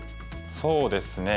そうですね